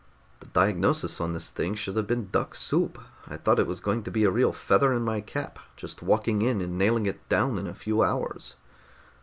"The diagnosis on this thing should have been duck soup. I thought it was going to be a real feather in my cap, just walking in and nailing it down in a few hours.